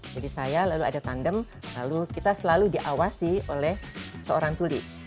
jadi saya lalu ada tandem lalu kita selalu diawasi oleh seorang tuli